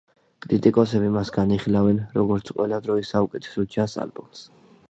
კრიტიკოსები მას განიხილავენ, როგორც ყველა დროის საუკეთესო ჯაზ ალბომს.